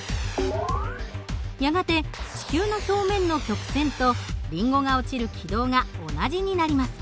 やがて地球の表面の曲線とリンゴが落ちる軌道が同じになります。